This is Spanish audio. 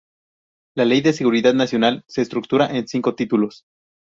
La Ley de Seguridad Nacional se estructura en cinco títulos.